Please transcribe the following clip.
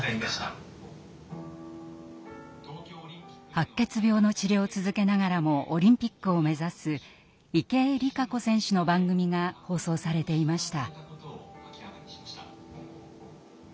白血病の治療を続けながらもオリンピックを目指す池江璃花子選手の番組が放送されていました。